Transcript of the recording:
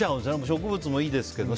植物もいいですけど。